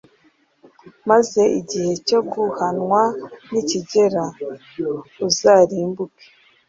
maze igihe cyo guhanwa nikigera, uzarimbuke